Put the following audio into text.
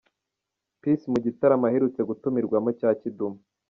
Peace mu gitaramo aherutse gutumirwamo cya Kidumu.